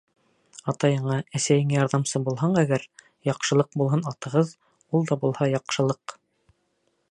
Атайыңа, әсәйеңә ярҙамсы булһаң әгәр, Яҡшылыҡ булһын атығыҙ, Ул да булһа — яҡшылыҡ.